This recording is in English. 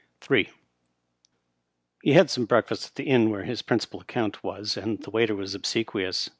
m. He had some breakfast at the inn where his principal account was, and the waiter was obsequious.